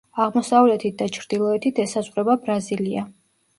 აღმოსავლეთით და ჩრდილოეთით ესაზღვრება ბრაზილია.